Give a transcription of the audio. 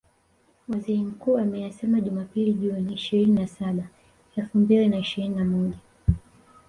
Waziri Mkuu ameyasema Jumapili Juni ishirini na saba elfu mbili na ishirini na moja